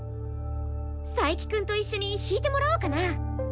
佐伯くんと一緒に弾いてもらおうかな。